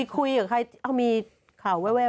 คุยกับใครมีข่าวแวว